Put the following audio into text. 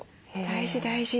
大事大事。